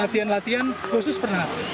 latihan latihan khusus pernah